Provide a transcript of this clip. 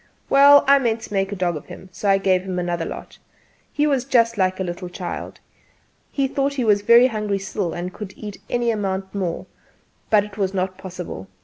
Well, I meant to make a dog of him, so I gave him another lot. He was just like a little child he thought he was very hungry still and could eat any amount more; but it was not possible.